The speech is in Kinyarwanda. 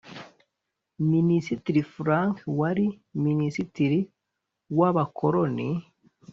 minisitiri frank wari minisitiri wa abakoloni